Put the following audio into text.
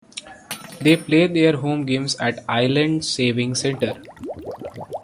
They play their home games at Island Savings Centre.